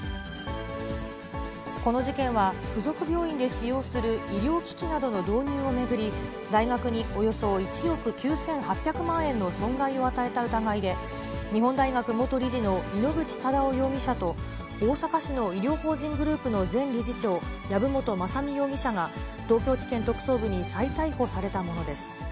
この事件は、付属病院で使用する医療機器などの導入を巡り、大学におよそ１億９８００万円の損害を与えた疑いで、日本大学元理事の井ノ口忠男容疑者と、大阪市の医療法人グループの前理事長、籔本雅巳容疑者が、東京地検特捜部に再逮捕されたものです。